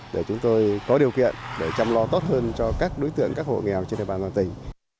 để chúng tôi có điều kiện để chăm lo tốt hơn cho các đối tượng các hộ nghèo trên địa bàn toàn tỉnh